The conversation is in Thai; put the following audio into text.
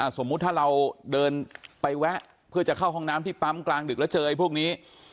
สมมุติถ้าเราเดินไปแวะเพื่อจะเข้าห้องน้ำที่ปั๊มกลางดึกแล้วเจอไอ้พวกนี้